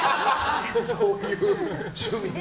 そういう趣味の？